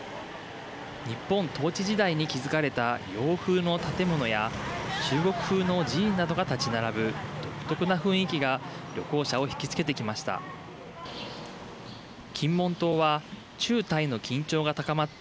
日本統治時代に築かれた洋風の建物や中国風の寺院などが立ち並ぶ独特な雰囲気が旅行者を引きつけてきました。